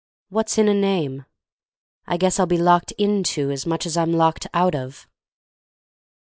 What's in a name? I guess I'll be locked into As much as I'm locked out of!